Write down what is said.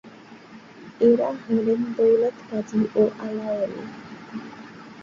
এরা হলেন, দৌলতকাজী ও আলাওল।